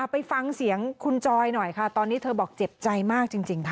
ไปฟังเสียงคุณจอยหน่อยค่ะตอนนี้เธอบอกเจ็บใจมากจริงค่ะ